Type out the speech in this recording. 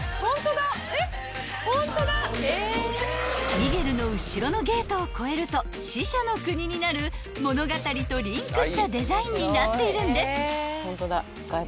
［ミゲルの後ろのゲートを越えると死者の国になる物語とリンクしたデザインになっているんです］